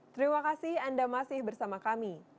terima kasih anda masih bersama kami